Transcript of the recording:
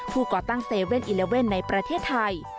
ก่อตั้ง๗๑๑ในประเทศไทย